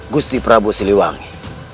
gusti prabu siliwangi